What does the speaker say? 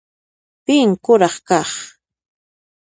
Pin kuraq kaq?